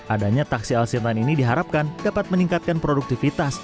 adanya taksi alsintan ini diharapkan dapat meningkatkan produktivitas